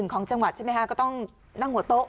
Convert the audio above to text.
ของจังหวัดใช่ไหมคะก็ต้องนั่งหัวโต๊ะ